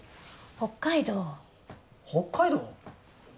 北海道北海道？